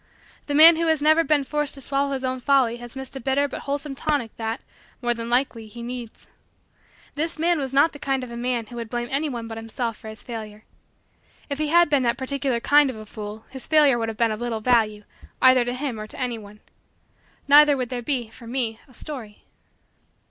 The man who has never been forced to swallow his own folly has missed a bitter but wholesome tonic that, more than likely, he needs. This man was not the kind of a man who would blame any one but himself for his failure. If he had been that particular kind of a fool his failure would have been of little value either to him or to any one. Neither would there be, for me, a story.